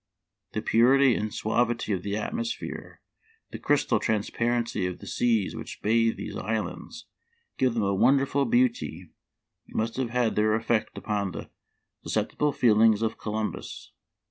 The purity and suavity of the atmosphere, the crystal transparency of the seas which bathe these islands, give them a wonderful beauty, and must have had their effect upon the suscep tible feelings of Columbus.